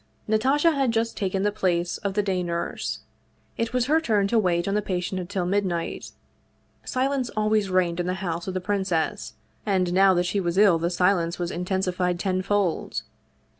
Natasha had just taken the place of the day nurse. It was her turn to wait on the patient until midnight. Silence always reigned in the house of the princess, and now that she was ill the silence was intensified tenfold.